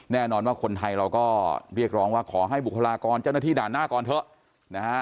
แน่นอนว่าคนไทยเราก็เรียกร้องว่าขอให้บุคลากรเจ้าหน้าที่ด่านหน้าก่อนเถอะนะฮะ